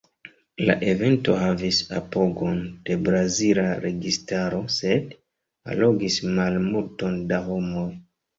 La evento havis apogon de brazila registaro, sed allogis malmulton da homoj.